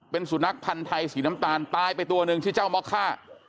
เป็นสุนัขพันธ์ไทยสีน้ำตาลตายไปตัวหนึ่งชื่อเจ้ามะค่า